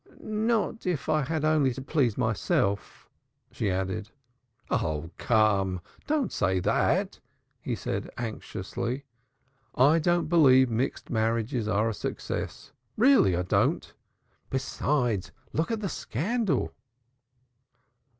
"Not if I had only to please myself," she added. "Oh, come! Don't say that," he said anxiously. "I don't believe mixed marriages are a success. Really, I don't. Besides, look at the scandal!"